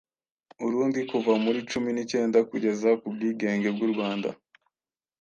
Urundi kuva muri cumi nicyenda kugeza ku bwigenge bw’u Rwanda.